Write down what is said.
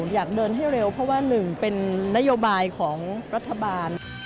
อยากเดินให้เร็วเพราะว่าหนึ่งเป็นนโยบายของรัฐบาล